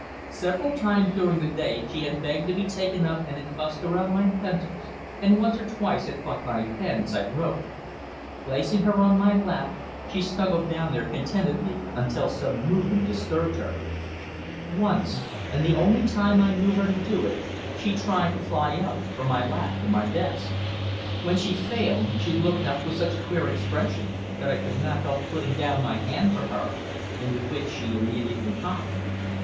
Several times during the day she had begged to be taken up and had fussed around my pencils, and once or twice had fought my pen as I wrote. Placing her on my lap, she snuggled down there contentedly until some movement disturbed her. Once, and the only time I knew her to do it, she tried to fly up from my lap to the desk. When she failed she looked up with such a queer expression that I could not help putting down my hand for her, into which she immediately hopped.